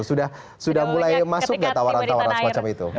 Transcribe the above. sudah mulai masuk nggak tawaran tawaran semacam itu